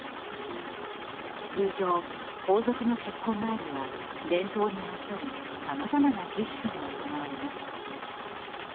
通常、皇族の現今前には伝統にのっとりさまざまな儀式が行われます。